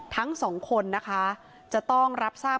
ทั้งสองคนนะคะจะต้องรับทราบ